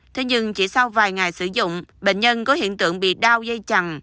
thế nhưng chỉ sau vài ngày sử dụng bệnh nhân có hiện tượng bị đau dây chằn